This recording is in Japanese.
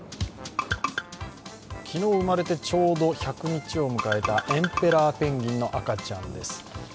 昨日、生まれてちょうど１００日を迎えたエンペラーペンギンの赤ちゃんです。